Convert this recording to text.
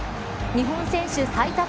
日本選手最多